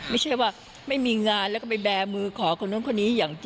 ไม่ใช่ว่าไม่มีงานแล้วก็ไปแบร์มือขอคนนู้นคนนี้อย่างที่